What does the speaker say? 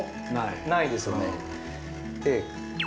◆ないですね。